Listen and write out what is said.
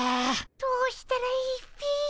どうしたらいいっピ。